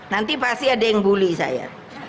nanti pasti ada yang bully saya